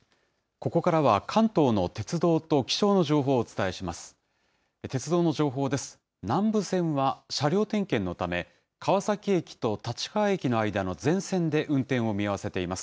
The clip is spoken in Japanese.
ここからは関東の鉄道と気象の情報をお伝えします。